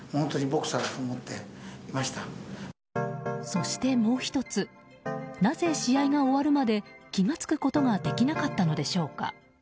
そして、もう１つなぜ試合が終わるまで気が付くことができなかったのでしょうか。